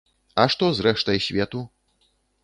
А што з рэштай свету?